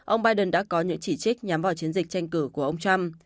ông biden đã có những chỉ trích nhắm vào chiến dịch tranh cử của ông trump